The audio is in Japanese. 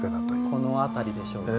この辺りでしょうか。